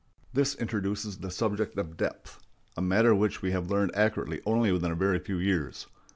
This introduces the subject of depth—a matter which we have learned accurately only within a very few years.